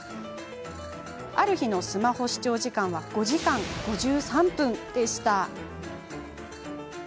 ある日のスマホ視聴時間は５時間５３分でした。